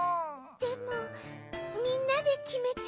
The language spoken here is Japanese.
でもみんなできめちゃったから。